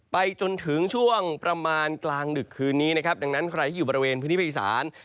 ไปจนถึงช่วงประมาณกลางดึกคืนนี้นะครับดังนั้นใครที่อยู่บริเวณพื้นที่ภาคอีสาน